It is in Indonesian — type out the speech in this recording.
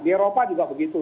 di eropa juga begitu